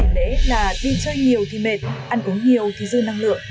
sau những ngày lễ là đi chơi nhiều thì mệt ăn cố nhiều thì dư năng lượng